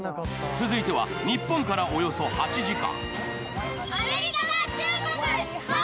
続いては日本からおよそ８時間。